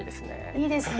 いいですね。